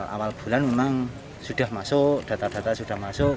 awal bulan memang sudah masuk data data sudah masuk